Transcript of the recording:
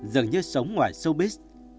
dường như sống ngoài showbiz